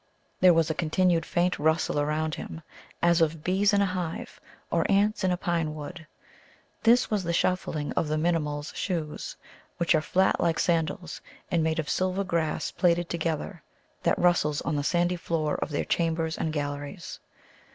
There was a continued faint rustle around him, as of bees in a hive or ants in a pine wood. This was the shuffling of the Minimuls' shoes, which are flat, like sandals, and made of silver grass plaited together, that rustles on the sandy floor of their chambers and galleries.